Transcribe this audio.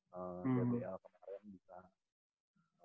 jadinya pembelajaran itu gitu ya